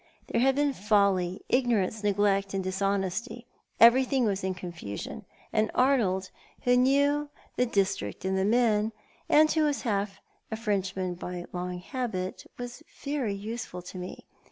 There had been folly, ignorance, neglect, and dis honesty. Everything was in confusion, and Arnold, who knew the district and the men, and who was half a Frenchman by long habit, was very useful to me.